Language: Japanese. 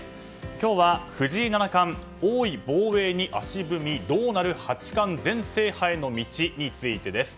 今日は藤井七冠王位防衛に足踏みどうなる八冠全制覇への道についてです。